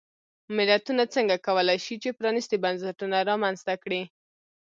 ملتونه څنګه کولای شي چې پرانیستي بنسټونه رامنځته کړي.